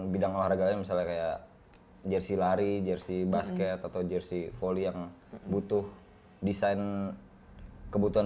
bidang olahraganya misalnya kayak jersi lari jersi basket atau jersi volley yang butuh desain kebutuhan